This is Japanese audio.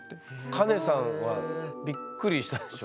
カネさんはびっくりしたでしょ？